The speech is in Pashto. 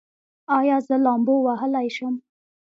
ایا زه لامبو وهلی شم؟